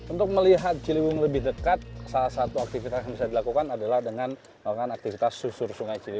untuk melihat ciliwung lebih dekat salah satu aktivitas yang bisa dilakukan adalah dengan melakukan aktivitas susur sungai ciliw